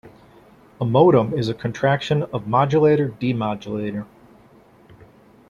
A modem is a contraction of "modulator-demodulator".